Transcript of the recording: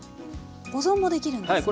保存もできるんですね。